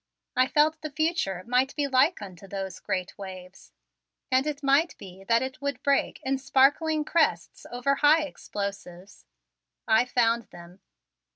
I felt the future might be like unto those great waves, and it might be that it would break in sparkling crests over high explosives. I found them!